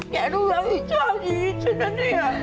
แกดูแลผิดชอบชีวิตฉันน่ะเนี่ย